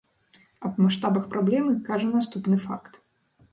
Аб маштабах праблемы кажа наступны факт.